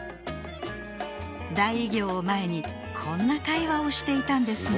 大偉業を前にこんな会話をしていたんですね